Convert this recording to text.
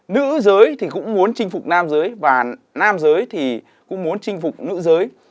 nữ giới thì cũng muốn chinh phục nam giới và nam giới thì cũng muốn chinh phục nữ giới